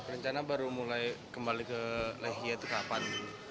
rencana baru mulai kembali ke lechia itu kapan